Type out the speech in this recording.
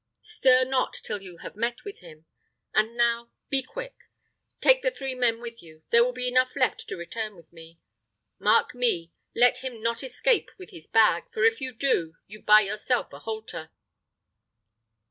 Stir not till you have met with him. And now be quick; take the three men with you; there will be enough left to return with me. Mark me! let him not escape with his bag, for if you do, you buy yourself a halter."